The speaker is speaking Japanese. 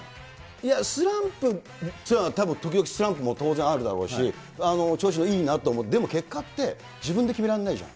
いや、スランプというのは、たぶん時々スランプも当然あるだろうし、調子がいいなって、でも結果って、自分で決めらんないじゃん。